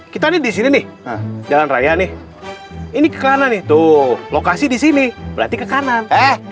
kita nih di sini nih jalan raya nih ini ke kanan itu lokasi di sini berarti ke kanan